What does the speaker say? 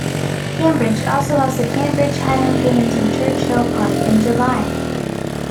Cambridge also has the Cambridge Highland Games in Churchill Park in July.